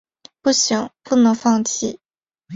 不行，不能放弃